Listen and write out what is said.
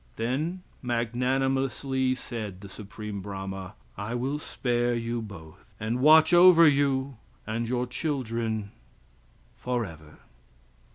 Then magnanimously said the Supreme Brahma, "I will spare you both, and watch over you and your children forever!"